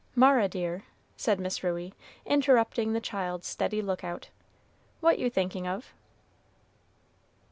"Mara, dear," said Miss Ruey, interrupting the child's steady lookout, "what you thinking of?"